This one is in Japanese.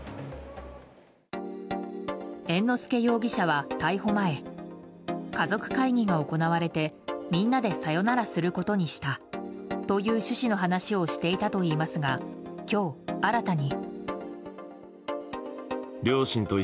猿之助容疑者は逮捕前家族会議が行われてみんなでさよならすることにしたという趣旨の話をしていたといいますが今日、新たに。